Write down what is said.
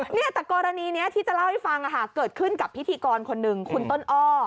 เนี่ยแต่กรณีนี้ที่จะเล่าให้ฟังเกิดขึ้นกับพิธีกรคนหนึ่งคุณต้นอ้อ